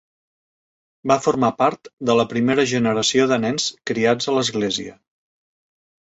Va formar part de la primera generació de nens criats a l'església.